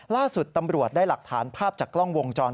ล่าสุดตำรวจได้หลักฐานภาพจากกล้องวงจร